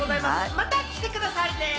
また来てくださいね！